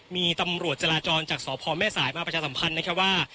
มีตำรวจจราจรจากสพแม่สายมาประชาสัมพันธ์นะครับว่า